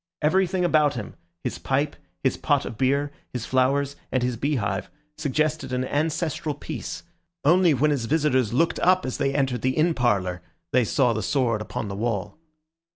Everything about him, his pipe, his pot of beer, his flowers, and his beehive, suggested an ancestral peace; only when his visitors looked up as they entered the inn parlour, they saw the sword upon the wall.